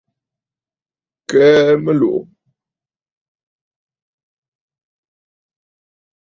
Kwɛ̀ʼɛ mɨlùʼù.